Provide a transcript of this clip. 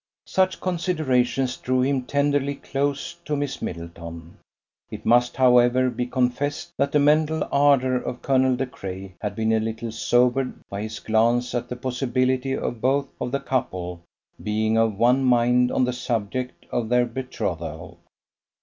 Such considerations drew him tenderly close to Miss Middleton. It must, however, be confessed that the mental ardour of Colonel De Craye had been a little sobered by his glance at the possibility of both of the couple being of one mind on the subject of their betrothal.